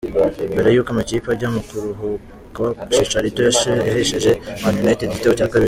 Mbere y’uko amakipe ajya mu karuhuko Chicharito yahesheje Man Utd igitego cya kabiri.